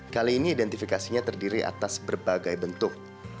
kali ini identifikasinya terdiri atas berbagai bentuk